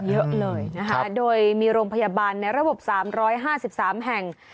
เยอะเลยนะคะโดยมีโรงพยาบาลในระบบ๓๕๓แห่ง